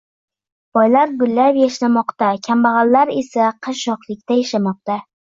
Boylar gullab -yashnamoqda, kambag'allar esa qashshoqlikda yashamoqda